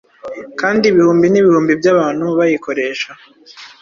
kandi ibihumbi n’ibihumbi by’abantu bayikoresha